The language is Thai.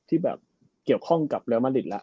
ที่แบบเกี่ยวข้องกับเลมาริตแล้ว